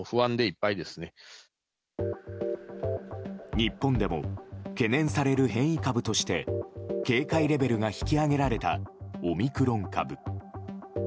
日本でも懸念される変異株として警戒レベルが引き上げられたオミクロン株。